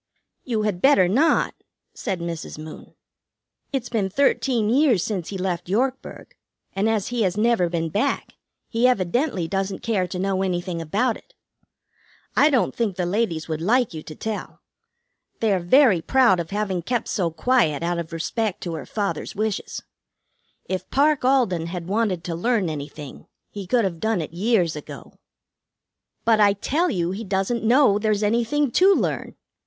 "You had better not," said Mrs. Moon. "It's been thirteen years since he left Yorkburg, and, as he has never been back, he evidently doesn't care to know anything about it. I don't think the ladies would like you to tell. They are very proud of having kept so quiet out of respect to her father's wishes. If Parke Alden had wanted to learn anything, he could have done it years ago." "But I tell you he doesn't know there's anything to learn."